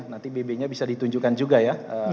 nanti bb nya bisa ditunjukkan juga ya